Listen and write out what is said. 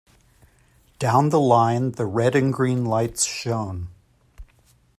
Down the line the red and green lights shone.